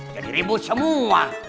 jadi ribut semua